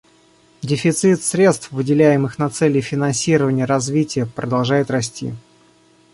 Дефицит средств, выделяемых на цели финансирования развития, продолжает расти.